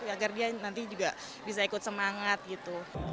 agar dia nanti juga bisa ikut semangat gitu